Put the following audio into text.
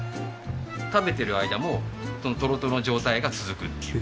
食べてる間もそのとろとろの状態が続くっていう。